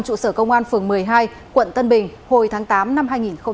trụ sở công an phường một mươi hai quận tân bình hồi tháng tám năm hai nghìn hai mươi ba